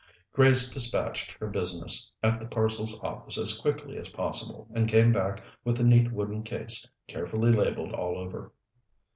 Grace despatched her business at the parcels office as quickly as possible, and came back with the neat wooden case carefully labelled all over.